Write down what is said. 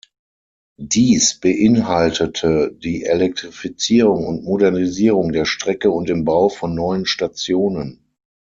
Dies beinhaltete die Elektrifizierung und Modernisierung der Strecke und den Bau von neuen Stationen.